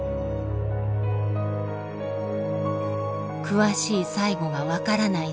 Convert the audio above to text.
詳しい最期が分からない